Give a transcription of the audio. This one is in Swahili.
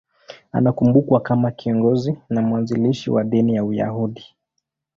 Anakumbukwa kama kiongozi na mwanzilishi wa dini ya Uyahudi.